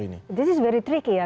ini sangat menarik ya